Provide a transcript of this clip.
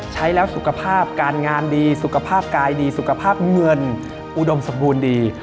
ใช้แล้วสุขภาพการงานดีสุขภาพกายดีสุขภาพเงินอุดมสมบูรณ์ดี